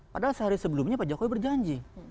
padahal sehari sebelumnya pak jokowi berjanji